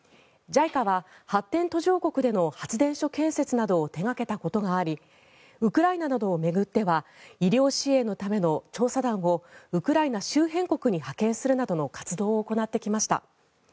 ＪＩＣＡは発展途上国での発電所建設などを手掛けたことがありウクライナなどを巡っては医療支援のための調査団をウクライナ周辺国に派遣するなどの活動を行ってきました。